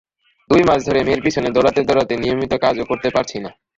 দুই মাস ধরে মেয়ের পেছনে দৌড়াতে দৌড়াতে নিয়মিত কাজও করতে পারছেন না।